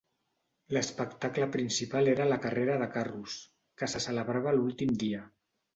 L'espectacle principal era la carrera de carros, que se celebrava l'últim dia.